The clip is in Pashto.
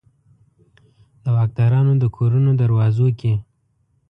د واکدارانو د کورونو دروازو کې